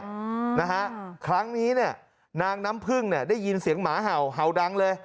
อืมนะฮะครั้งนี้เนี่ยนางน้ำพึ่งเนี่ยได้ยินเสียงหมาเห่าเห่าดังเลย